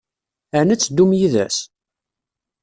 Ɛni ad teddum yid-s?